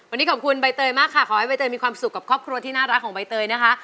วันนี้ขอบคุณใบเตยมากค่ะขอให้ใบเตยมีความสุขกับครอบครัวที่น่ารักของใบเตยนะคะ